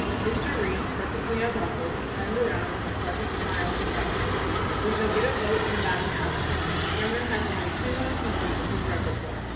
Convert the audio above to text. Mr. Reed, per fectly unruffled, turned around with a pleasant smile and said: "We shall get a vote in about an hour. Springer has only two more pieces in his repertoire."